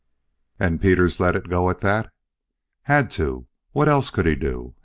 "And Peters let it go at that?" "Had to. What else could he do?